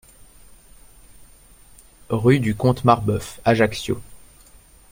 Rue du Comte Marbeuf, Ajaccio